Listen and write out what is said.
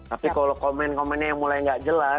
tapi kalau komen komen yang negatif pasti akan saya baca telah ah